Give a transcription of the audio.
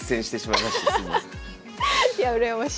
いや羨ましい。